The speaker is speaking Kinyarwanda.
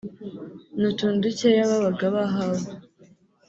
ni utuntu dukeya babaga bahawe